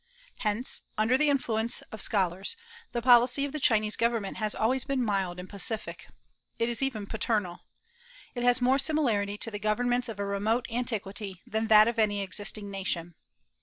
Hence, under the influence of scholars the policy of the Chinese Government has always been mild and pacific. It is even paternal. It has more similarity to the governments of a remote antiquity than that of any existing nation.